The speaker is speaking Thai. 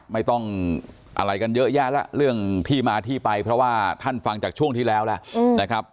ไม่ต้องอะไรกันเยอะแยะแล้วเรื่องที่มาที่ไปเพราะว่าท่านฟังจากช่วงที่แล้วแล้วนะครับ